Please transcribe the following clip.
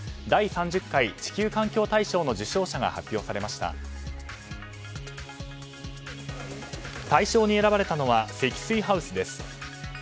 大賞に選ばれたのは積水ハウスです。